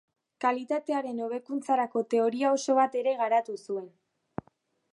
Kalitatearen hobekuntzarako teoria oso bat ere garatu zuen.